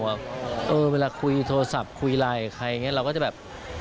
เวลาคุยโทรศัพท์คุยไลน์กับใครอย่างนี้เราก็จะแบบ